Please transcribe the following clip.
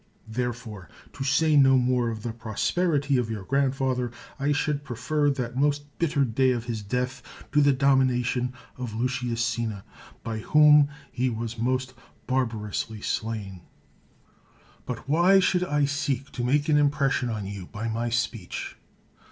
There fore, to say no more of the prosperity of your grandfather, I should prefer that most bitter day of his death to the domination of Lucius Cinna, by whom he was most barbarously slain. But why should I seek to make an impression on you by my speech?